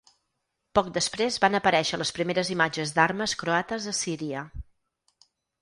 Poc després van aparèixer les primeres imatges d’armes croates a Síria.